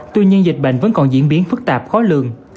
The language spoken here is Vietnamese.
tuy nhiên dịch bệnh vẫn còn diễn biến phức tạp khó lường